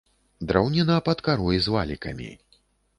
Драўніна пад карой з валікамі.